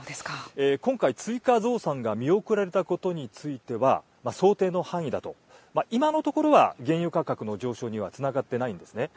今回、追加増産が見送られたことについては、想定の範囲だと、今のところは原油価格の上昇にはつながってないんですね。